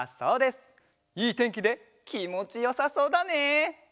いいてんきできもちよさそうだね！